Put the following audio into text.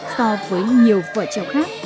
so với nhiều vợ trèo khác